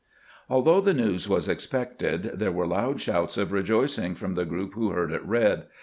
Although the news was expected, there were loud shouts of rejoicing from the group who heard it read.